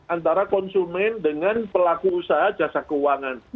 antara konsumen dengan pelaku usaha jasa keuangan